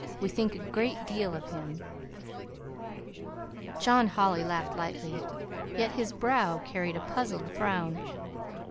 We think a great deal of him." John Holly laughed lightly, yet his brow carried a puzzled frown.